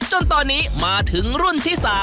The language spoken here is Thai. จนตอนนี้มาถึงรุ่นที่๓